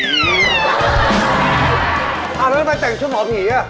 แล้วทำไมแต่งชุดหมอผีอ่ะ